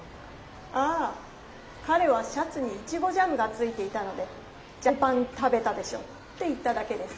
あぁかれはシャツにイチゴジャムがついていたので「ジャムパン食べたでしょ」って言っただけです。